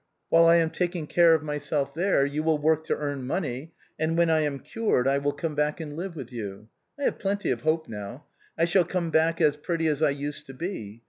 Whilst I am taking care of myself there, you will work to earn money, and wlien I am cured I will come back and live with you. I have plenty of hope now. I shall come back as pretty as I used to be.